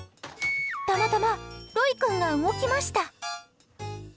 たまたまロイ君が動きました。